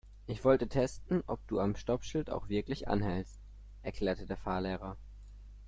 Ich wollte testen, ob du am Stoppschild auch wirklich anhältst, erklärte der Fahrlehrer.